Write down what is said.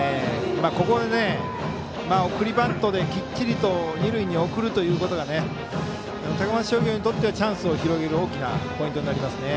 ここは送りバントできっちりと二塁へ送るというのが高松商業にとってはチャンスを広げる大きなポイントになりますね。